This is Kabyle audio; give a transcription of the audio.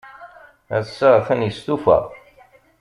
Ass-a, atan yestufa.